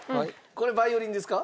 これヴァイオリンですか？